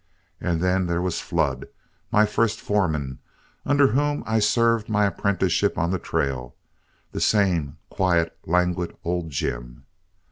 And then there was Flood, my first foreman, under whom I served my apprenticeship on the trail, the same quiet, languid old Jim.